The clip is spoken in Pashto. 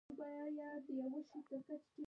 انجینران باید یوازې قانوني سندونه تایید کړي.